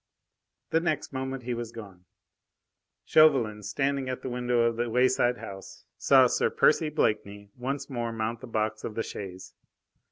The next moment he was gone. Chauvelin, standing at the window of the wayside house, saw Sir Percy Blakeney once more mount the box of the chaise.